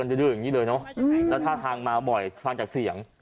แล้วถ้าทางมาบ่อยฟังจากเสียง